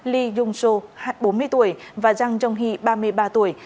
lee jung soo bốn mươi tuổi và jang jong hee ba mươi ba tuổi